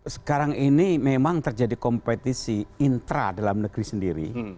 sekarang ini memang terjadi kompetisi intra dalam negeri sendiri